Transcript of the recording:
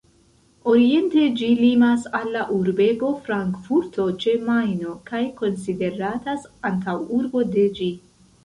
Oriente ĝi limas al la urbego Frankfurto ĉe Majno, kaj konsideratas antaŭurbo de ĝi.